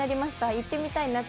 行ってみたいなって。